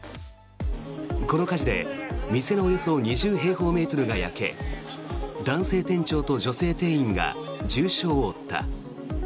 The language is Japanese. この火事で、店のおよそ２０平方メートルが焼け男性店長と女性店員が重傷を負った。